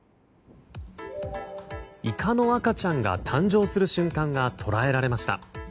イカの赤ちゃんが誕生する瞬間が捉えられました。